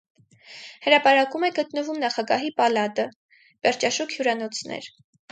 Հրապարակում է գտնվում նախագահի պալատը, պերճաշուք հյուրանոցներ։